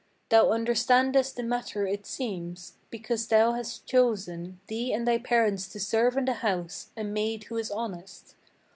Thou understandest the matter it seems; because thou hast chosen, Thee and thy parents to serve in the house, a maid who is honest.